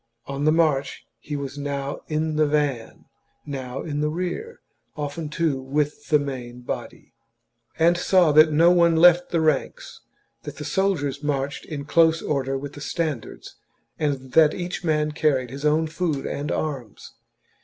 On the march he was now in the van, now in the rear, often, too, with the main body ; and saw that no one left the ranks, that the soldiers marched in close order with the standards, and that each man carried his own food and arms.